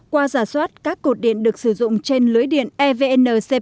qua giả soát các cột điện được sử dụng trên lưới điện evncp